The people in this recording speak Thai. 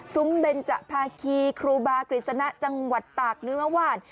ซุมเบนจะภาคีครูบากริสณะจังหวัดตากนึ้มวาด